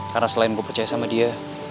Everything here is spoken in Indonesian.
karena selain gue percaya sama dia